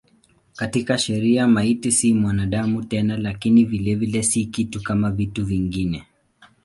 Katika sheria maiti si mwanadamu tena lakini vilevile si kitu kama vitu vingine.